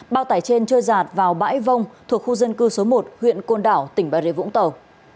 bao tải trên trôi giạt vào bãi vông thuộc khu dân cư số một huyện côn đảo tỉnh bà rịa vũng tàu